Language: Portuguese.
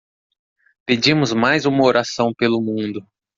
Pedimos mais uma oração pelo mundo